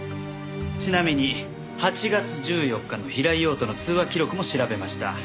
ちなみに８月１４日の平井陽との通話記録も調べました。